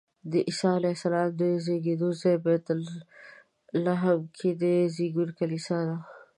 د عیسی علیه السلام د زېږېدو ځای بیت لحم کې د زېږون کلیسا ده.